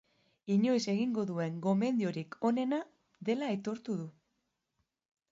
Inoiz egingo duen gomendiorik onena dela aitortu du.